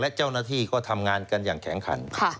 และเจ้าหน้าที่ก็ทำงานกันอย่างแข็งขัน